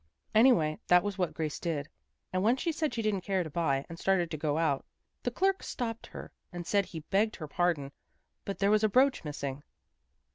Anyway that was what Grace did. And when she said she didn't care to buy, and started to go out, the clerk stopped her and said he begged her pardon but there was a brooch missing."